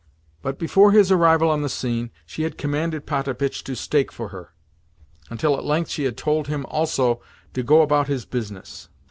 But before his arrival on the scene, she had commanded Potapitch to stake for her; until at length she had told him also to go about his business.